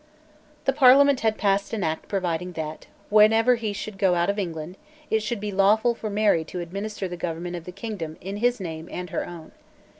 The Parliament had passed an Act providing that, whenever he should go out of England, it should be lawful for Mary to administer the government of the kingdom in his name and her own.